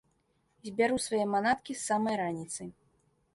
Збяру свае манаткі з самай раніцы.